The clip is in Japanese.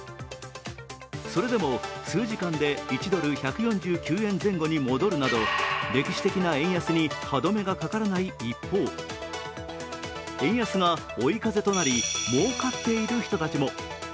それでも数時間で１ドル＝１４９円前後に戻るなど歴史的な円安に歯止めがかからない一方円安が追い風となりもうかっている人たちも。